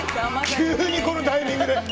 急に、このタイミングで。